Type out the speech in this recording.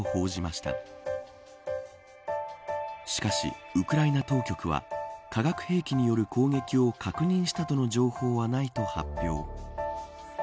しかし、ウクライナ当局は化学兵器による攻撃を確認したとの情報はないと発表。